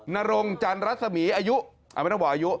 นรงจันรัศมีอายุไม่ต้องบอกอายุ